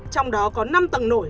trong đó có năm tầng nổi